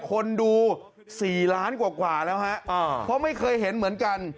คนดู๔ล้านกว่าแล้วฮะเพราะไม่เคยเห็นเหมือนกัน